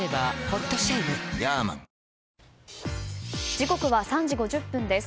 時刻は３時５０分です。